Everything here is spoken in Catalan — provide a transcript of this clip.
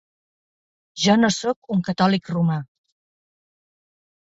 Jo no sóc un catòlic romà.